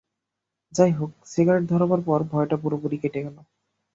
যাই হোক, সিগারেট ধরাবার পর ভয়টা পুরোপুরি কেটে গেল।